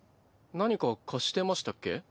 何か貸してましたっけ？